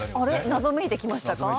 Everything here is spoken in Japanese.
謎めいてきましたか？